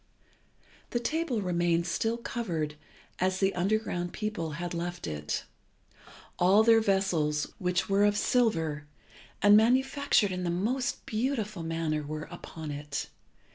The table remained still covered as the underground people had left it. All their vessels, which were of silver, and manufactured in the most beautiful manner, were upon it.